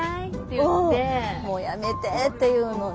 「もうやめて」って言うのに。